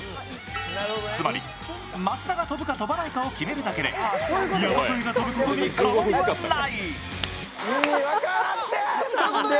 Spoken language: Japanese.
つまり、益田が飛ぶか飛ばないかを決めるだけで山添が飛ぶことに変わりはない。